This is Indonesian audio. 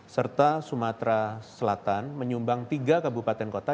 serta sumatera selatan menyumbang tiga kabupaten kota